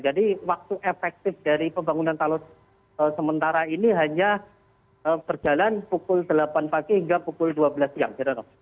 jadi waktu efektif dari pembangunan talus sementara ini hanya berjalan pukul delapan pagi hingga pukul dua belas siang